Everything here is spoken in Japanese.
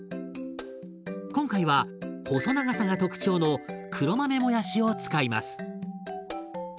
今回は細長さが特徴の黒豆もやしを使います。